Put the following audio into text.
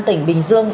tp bình dương